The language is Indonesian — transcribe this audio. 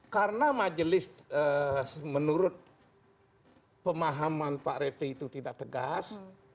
karena majelis menurut pemahaman pak repi itu tidak tegas